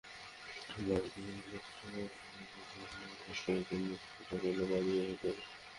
বাড়তি মনোযোগটা সৌম্য সরকারের জন্য, সেটা বললে বাড়াবাড়ি হয়ে যাবে না।